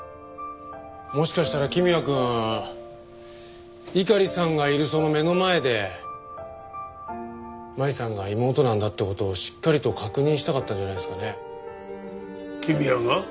もしかしたら公也くん猪狩さんがいるその目の前で舞さんが妹なんだって事をしっかりと確認したかったんじゃないですかね。